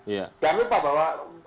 jangan lupa bahwa